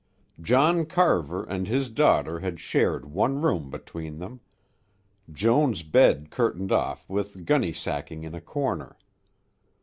John Carver and his daughter had shared one room between them; Joan's bed curtained off with gunny sacking in a corner.